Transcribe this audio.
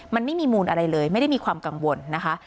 มันไม่มีมูลอะไรเลยไม่ได้มีความกังวลนะคะ